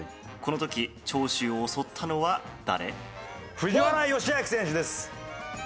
藤原喜明選手です。